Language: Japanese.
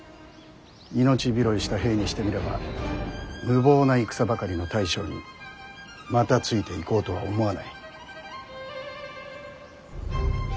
命拾いした兵にしてみれば無謀な戦ばかりの大将にまたついていこうとは思わない。